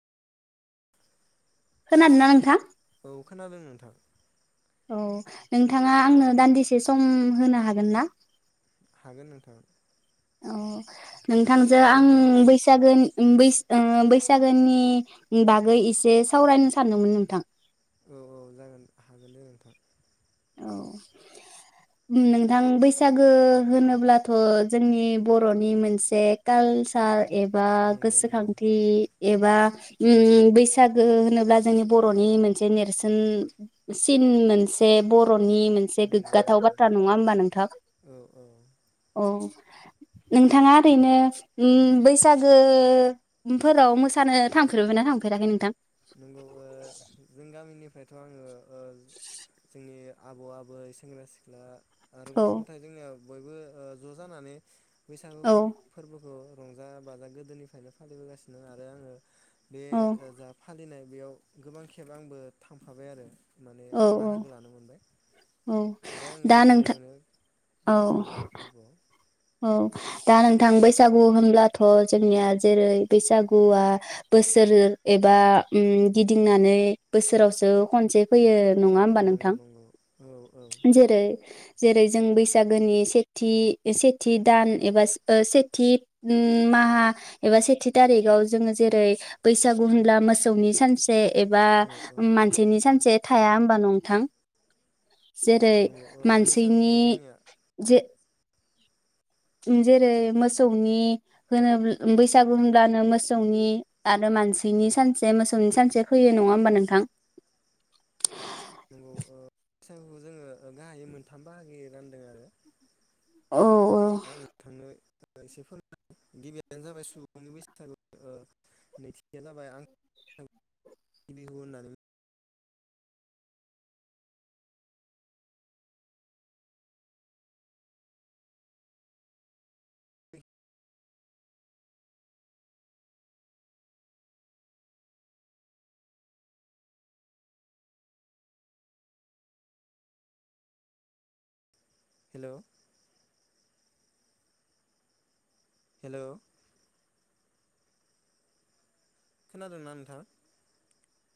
खोनादोंना नोंथां? औ खोनादों नोंथां औ नोंथाङा आंनो दान्दिसे सम होनो हागोन ना? हागोन नोंथां औ नोंथांजों आं नों बैसागो उम बैस ओ बैसागोनि बागै एसे सावरायनो सानदोंमोन नोंथां। औ औ जागोन हागोन दे नोंथां औ नोंथां बैसागो होनोब्लाथ' जोंनि बर'नि मोनसे कालसार एबा नंगौ नंगौ गोसोखांथि एबा उम बैसागो होनोब्ला जोंनि बर'नि मोनसे नेरसोन सिन मोनसे बर' नि मोनसे नंगौ गोग्गाथाव नंगौ बाथ्रा नङा होमबा नोंथां? औ औ औ नोंथाङा ओरैनो उम बैसागो फोराव मोसानो थांफेरबायना थांफेराखै नोंथां? नंगौ ओ जों गामिनिफ्रायथ' आङो ओ जोंनि आबौ, आबै, सेंग्रा, सिख्ला। आरो औ गथ' गथाय जोंनिया बयबो ओ ज' जानानै बैसागु औ फोरबोखौ रंजा बाजा गोदोनिफ्रायनो फालिबोगासिनो आरो आङो बे औ ओ जा फालिनाय बेयाव गोबां खेब आंबो थांफाबाय आरो माने औ औ बाहागो लानो मोनबाय। औ आरो आङो दा गोजोननाय नोंथां मोनो। औ बैसागु फोरबोआव औ दा नोंथां बैसागु होनब्लाथ' जोंनिया जेरै बैसागुआ बोसोर एबा ओम गिदिंनानै बोसोरावसो खनसे फैयो नङा होमबा नंगौ नोंथां? नंगौ औ औ जेरै जेरै जों बैसागोनि सेथि एसे थि दान एबा ओ सेथि माहा एबा सेथि थारिगाव जोङो जेरै बैसागु होनब्ला मोसौनि सानस से एबा औ औ मानसिनि सानसे थाया होमबा नंथां? जेरै नंगौ औ बैसागुखौ मानसैनि जोंनिया जे [inaudible] उम जेरै मोसौनि औ होनोब्ला बैसाग बुमब्लानो मोसौनि आरो मानसिनि सानसे मोसौनि सानसे फैयो नङा होमबा नोंथां? नंगौ ओ बैसागुखौ जोङो गाहायै मोनथाम बाहागोयै रानदों आरो। औ औ [unintelligible] थांनो एसे [inaudible] गिबियानो जाबाय सुबुंनि बैसागु ओ नैथियानो जाबाय [inaudible] बिहु होननानै हेल' हेल' खोनादोंना नोंथां?